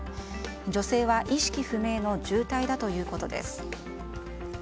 女性は意識不明の重体だということです。